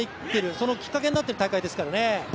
そのきっかけになっている大会ですからね。